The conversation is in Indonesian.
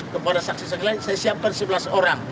kepada saksi saksi lain saya siapkan sebelas orang